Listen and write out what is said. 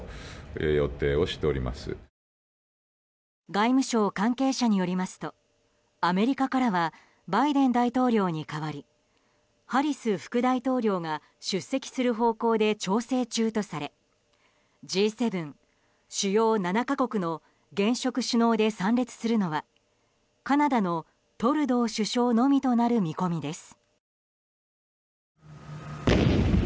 外務省関係者によりますとアメリカからはバイデン大統領に代わりハリス副大統領が出席する方向で調整中とされＧ７・主要７か国の現職首脳で参列するのはカナダのトルドー首相のみとなる見込みです。